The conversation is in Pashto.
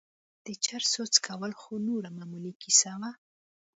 د چرسو څکول خو نوره معمولي کيسه وه.